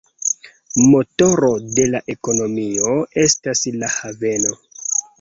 Motoro de la ekonomio estas la haveno.